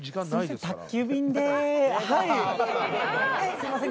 すいません。